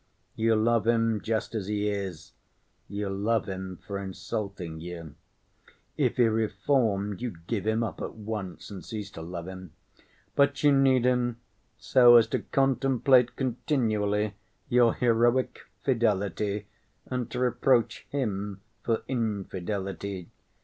You love him just as he is; you love him for insulting you. If he reformed, you'd give him up at once and cease to love him. But you need him so as to contemplate continually your heroic fidelity and to reproach him for infidelity.